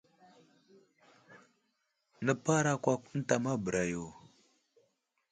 Nəparakwakw ənta ma bəra yo.